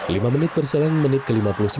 lima menit berselang menit ke lima puluh sembilan